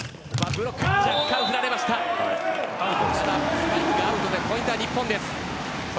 スパイクでアウトでポイントは日本です。